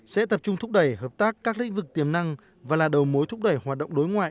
sẽ tập trung thúc đẩy hợp tác các lĩnh vực tiềm năng và là đầu mối thúc đẩy hoạt động đối ngoại